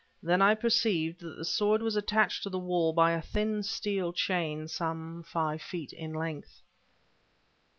Then I perceived that the sword was attached to the wall by a thin steel chain some five feet in length.